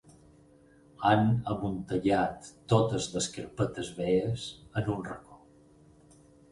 Han amuntegat totes les carpetes velles en un racó.